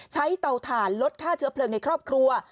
เตาถ่านลดค่าเชื้อเพลิงในครอบครัว